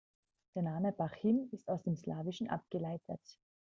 Der Name Parchim ist aus dem Slawischen abgeleitet.